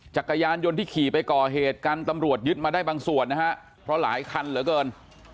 จักรยานยนต์ที่ขี่ไปก่อเหตุกันตำรวจยึดมาได้บางส่วนนะฮะเพราะหลายคันเหลือเกิน